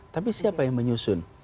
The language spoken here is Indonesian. tapi siapa yang menyusun